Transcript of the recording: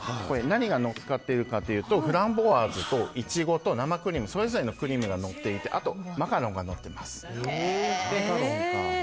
何がのっかっているかというとフランボワーズとイチゴと生クリームそれぞれのクリームがのっていてあとマカロンがのっています。